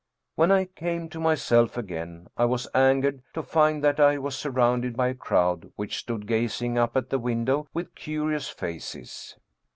When I came to myself again, I was angered to find that I was surrounded by a crowd which stood gazing up at the window with curious faces.